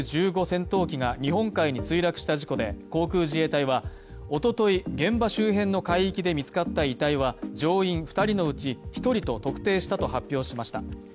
戦闘機が日本海に墜落した事故で航空自衛隊は、おととい現場周辺の海域で見つかった遺体は、乗員２人のうち１人と特定したと発表しました。